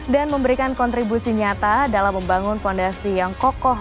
dan memberikan kontribusi nyata dalam membangun fondasi yang kokoh